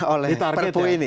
oleh perpu ini